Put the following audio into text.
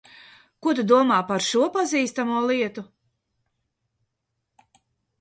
Ko tu domā par šo pazīstamo lietu?